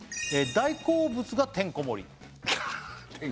大好物がてんこ盛り！